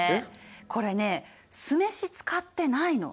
これね酢飯使ってないの。